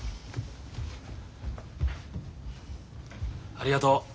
ありがとう。